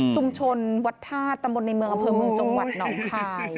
ชุมชนวัดธาตุตำบลในเมืองอำเภอเมืองจังหวัดหนองคาย